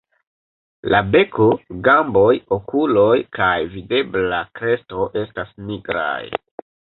La beko, gamboj, okuloj kaj videbla kresto estas nigraj.